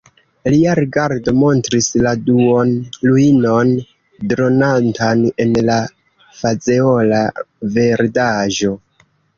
Lia rigardo montris la duonruinon, dronantan en la fazeola verdaĵo.